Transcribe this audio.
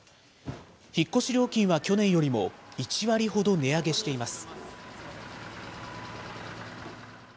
引っ越し料金は去年よりも１割ほど値上げしています。